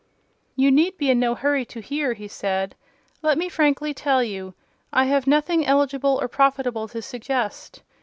"You need be in no hurry to hear," he said: "let me frankly tell you, I have nothing eligible or profitable to suggest.